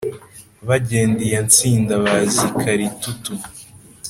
Bagenda iya Ntsinda, baza i Kalitutu;